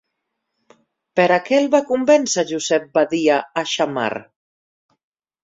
Per a què el va convèncer Josep Badia a Xammar?